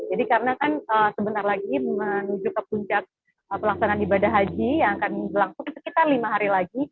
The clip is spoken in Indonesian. jadi karena kan sebentar lagi menuju ke puncak pelaksanaan ibadah haji yang akan berlangsung sekitar lima hari lagi